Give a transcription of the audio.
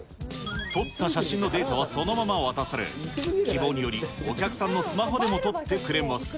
撮った写真のデータはそのまま渡され、希望により、お客さんのスマホでも撮ってくれます。